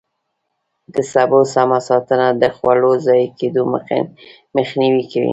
د سبو سمه ساتنه د خوړو ضایع کېدو مخنیوی کوي.